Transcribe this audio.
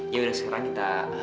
ya udah sekarang kita